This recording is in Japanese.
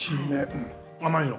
うん甘いよ。